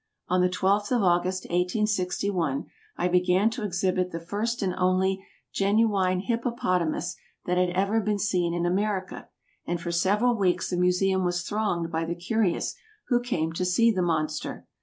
On the 12th of August, 1861, I began to exhibit the first and only genuine hippopotamus that had ever been seen in America, and for several weeks the Museum was thronged by the curious who came to see the monster.